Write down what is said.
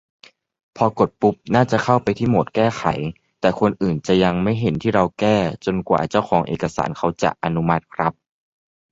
พอกดปุ๊บ น่าจะเข้าไปที่โหมดแก้ไข แต่คนอื่นจะยังไม่เห็นที่เราแก้ จนกว่าเจ้าของเอกสารเขาจะอนุมัติครับ